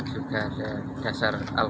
juga dasar alam